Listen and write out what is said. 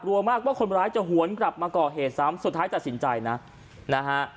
กลัวมากว่าคนร้ายจะหวนกลับมาก่อเหตุซ้ำสุดท้ายตัดสินใจนะนะฮะ